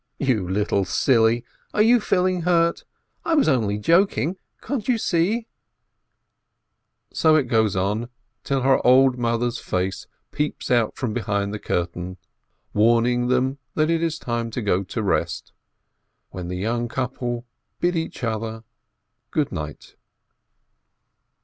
"You little silly, are you feeling hurt? I was only joking, can't you see ?" So it goes on, till the old mother's face peeps out from behind the curtain, warning them that it is time to go to rest, when the young couple bid each other good night.